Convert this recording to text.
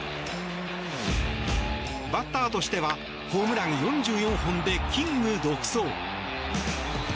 バッターとしてはホームラン４４本でキング独走。